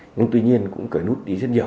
nhưng tuy nhiên cũng cởi nút đi rất nhiều